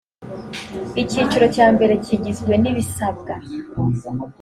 icyiciro cya mbere kigizwe nibisabwa .